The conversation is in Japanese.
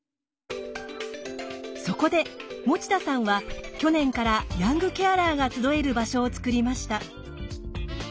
そこで持田さんは去年からヤングケアラーが集える場所を作りました。